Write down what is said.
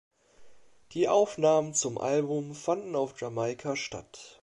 Die Aufnahmen zum Album fanden auf Jamaika statt.